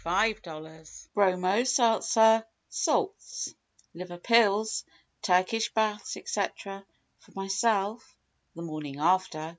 35 00 Bromo seltzer, salts, liver pills, Turkish baths, etc., for myself (the morning after)